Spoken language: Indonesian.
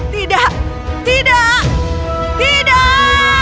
tidak tidak tidak